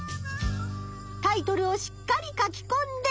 タイトルをしっかり書きこんで。